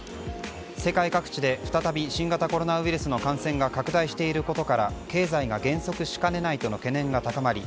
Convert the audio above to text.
世界各地で再び新型コロナウイルスの感染が拡大していることから経済が減速しかねないとの懸念が高まり